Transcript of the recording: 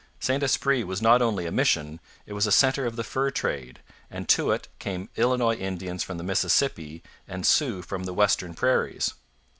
St Esprit was not only a mission; it was a centre of the fur trade, and to it came Illinois Indians from the Mississippi and Sioux from the western prairies.